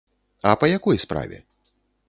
А па якой справе?